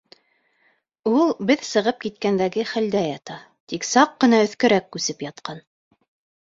Ул беҙ сығып киткәндәге хәлдә ята, тик саҡ ҡына өҫкәрәк күсеп ятҡан.